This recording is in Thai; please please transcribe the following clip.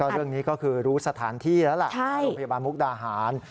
เรื่องนี้ก็คือรู้สถานที่แล้วล่ะโรงพยาบาลมุกดาหาร